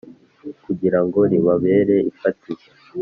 kugira ngo ribabere ifatizo.